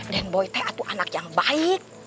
dan boy itu anak yang baik